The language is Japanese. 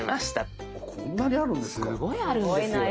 こんなにあるんですか。